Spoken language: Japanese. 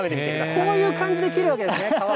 こういう感じで切るわけですね、皮を。